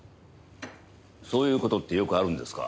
そういう事ってよくあるんですか？